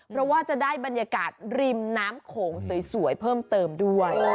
เพราะว่าจะได้บรรยากาศริมน้ำโขงสวยเพิ่มเติมด้วย